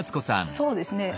そうですね